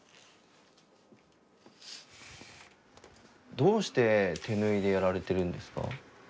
どうして手縫いでやられてるんですか？